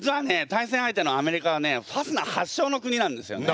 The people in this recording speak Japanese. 対戦相手のアメリカはねファスナー発祥の国なんですよね。